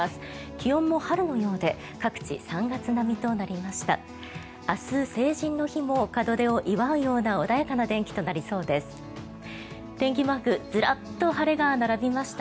気温も春のようで各地、３月並みとなりました。